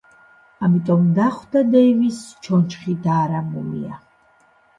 ამიტომ დახვდა დეივისს ჩონჩხი და არა მუმია.